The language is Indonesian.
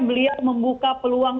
beliau membuka peluang